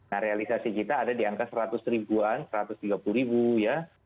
nah realisasi kita ada di angka seratus ribuan satu ratus tiga puluh ribu ya